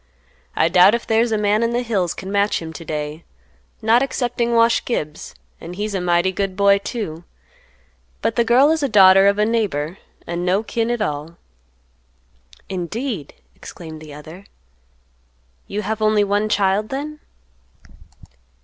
I doubt if there's a man in the hills can match him to day; not excepting Wash Gibbs; an' he's a mighty good boy, too. But the girl is a daughter of a neighbor, and no kin at all." "Indeed!" exclaimed the other, "you have only one child then?"